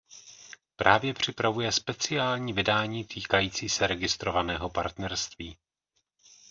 Právě připravuje speciální vydání týkající se registrovaného partnerství.